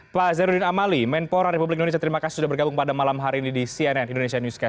pak zainuddin amali menpora republik indonesia terima kasih sudah bergabung pada malam hari ini di cnn indonesia newscast